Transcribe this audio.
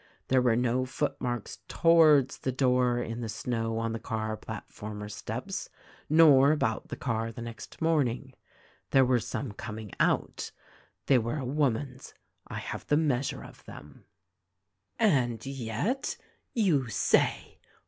There were no footmarks towards the door in the snow on the car platform or steps, nor about the car the next morning. There were some coming out — they were a woman's. I have the measure of them." "And yet, you say